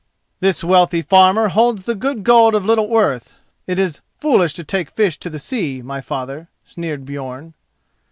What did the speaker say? "This wealthy farmer holds the good gold of little worth. It is foolish to take fish to the sea, my father," sneered Björn.